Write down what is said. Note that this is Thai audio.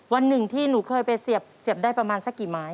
วันหนึ่งที่หนูเคยไปเสียบได้ประมาณสักกี่ไม้